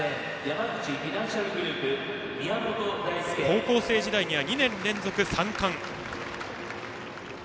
宮本大輔は高校生時代には２年連続３冠。